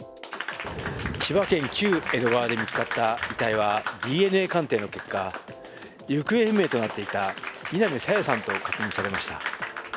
千葉県・旧江戸川で見つかった遺体はＤＮＡ鑑定の結果、行方不明となっていた南朝芽さんと確認されました。